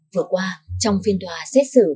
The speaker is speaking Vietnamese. vừa qua trong phiên đoà xét xử